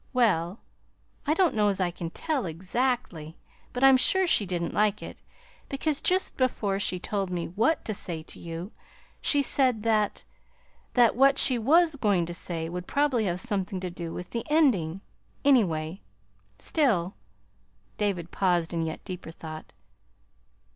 "Well, I don't know as I can tell, exactly, but I'm sure she did n't like it, because just before she told me WHAT to say to you, she said that that what she was going to say would probably have something to do with the ending, anyway. Still " David paused in yet deeper thought.